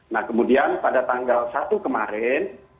nah kemudian pada tanggal satu kemarin